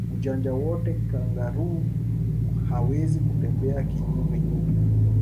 Ujanja wote kangaroo hawezi kutembea kinyume nyume